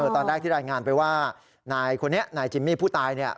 ตอนแรกที่รายงานไปว่านายคนนี้นายจิมมี่ผู้ตายเนี่ย